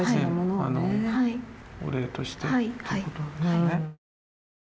お礼としてっていうことなんですね。